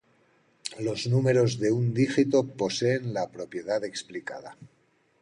Los números de un dígito poseen la propiedad explicada.